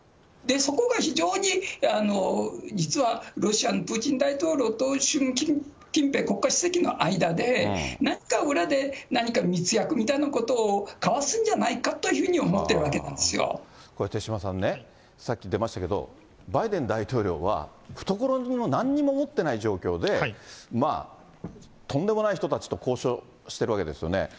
そこが非常に、実はロシアのプーチン大統領と習近平国家主席の間で、何か裏で、何か密約みたいなことを交わすんじゃないかというふうに思ってるこれ手嶋さんね、さっき出ましたけど、バイデン大統領は懐になんにも持っていない状況で、とんでもない人たちと交渉してるわけですよね。